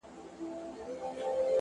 نیک اخلاق د زړونو پلونه جوړوي,